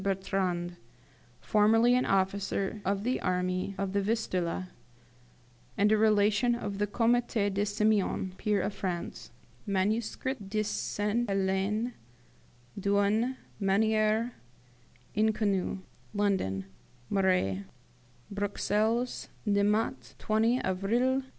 Bertrand, formerly an officer of the army of the Vistula, and a relation of the Comte de Simeon, peer of France. ['Manuscrit de Sainte Helene d'une maniere inconnue', London. Murray; Bruxelles, De Mat, 20 Avril 1817.